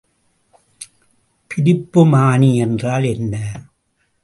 பிரிப்புமானி என்றால் என்ன?